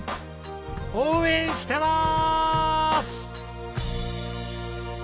応援してまーす！